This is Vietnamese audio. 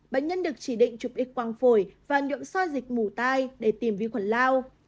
bệnh nhân được chỉ định chụp x quang phổi và niệm xoay dịch mũ tai để tìm vi khuẩn lao